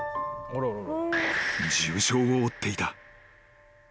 ［重傷を負っていた］